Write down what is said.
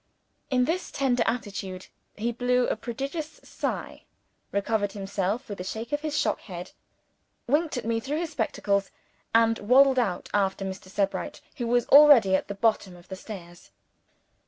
In this tender attitude, he blew a prodigious sigh; recovered himself, with a shake of his shock head; winked at me through his spectacles, and waddled out after Mr. Sebright, who was already at the bottom of the stairs.